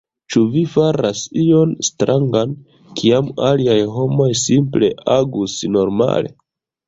Ĉu vi faras ion strangan, kiam aliaj homoj simple agus normale.